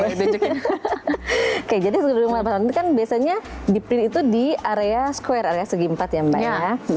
oke jadi sebelum delapan tahun kan biasanya di print itu di area square area segi empat ya mbak ya